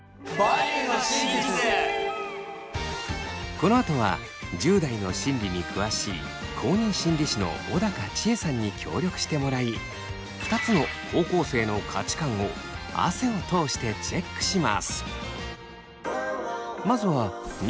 このあとは１０代の心理に詳しい公認心理師の小高千枝さんに協力してもらい２つの高校生の価値観を汗を通してチェックします。